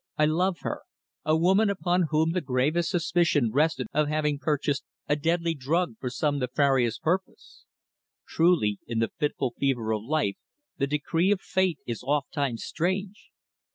I love her a woman upon whom the gravest suspicion rested of having purchased a deadly drug for some nefarious purpose. Truly in the fitful fever of life the decree of Fate is oft times strange.